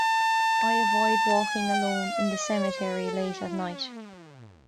I avoid walking alone in the cemetary late at night.